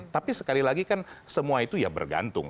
tapi sekali lagi kan semua itu ya bergantung